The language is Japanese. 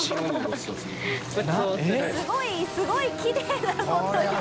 すごいきれいなこと